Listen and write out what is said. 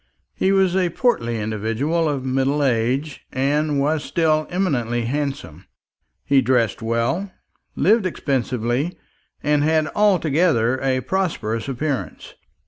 He was a portly individual of middle age, and was still eminently handsome. He dressed well, lived expensively, and had altogether a prosperous appearance.